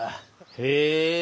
へえ！